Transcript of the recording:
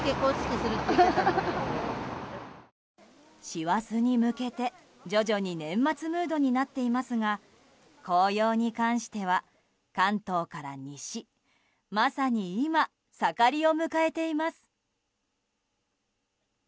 師走に向けて、徐々に年末ムードになっていますが紅葉に関しては関東から西まさに今、盛りを迎えています。